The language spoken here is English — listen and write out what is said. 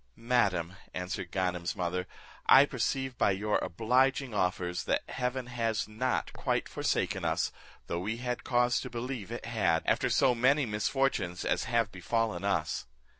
"Madam," answered Ganem's mother, "I perceive by your obliging offers, that Heaven has not quite forsaken us, though we had cause to believe it had, after so many misfortunes as have befallen us."